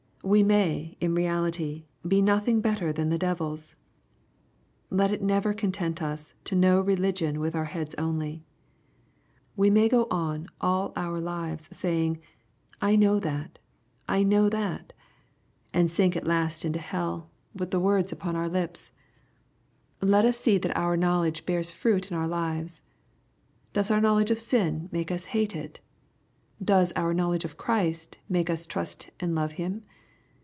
We may, in reality, be nothing better than the devils. Let it never content tis to know religion with our heads only. We may go on all our lives saying, "I know that^ and I know that/' and sink at last into hell, 126 EXPOSITORY THOUGHTS. with the words upon our lips. Let ns see that oni knowledge bears fruit in our lives. Does our knowledge of sin make us aate it ? Does our knowledge of Christ make us trust and love Him